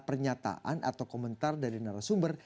pernyataan atau komentar dari narasumber